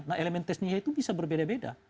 nah elemen teknisnya itu bisa berbeda beda